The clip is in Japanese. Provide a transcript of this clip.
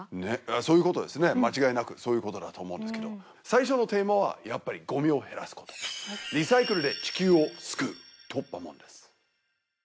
そういうことですね間違いなくそういうことだと思うんですけど最初のテーマはやっぱりゴミを減らすことリサイクルで地球を救う「突破者」です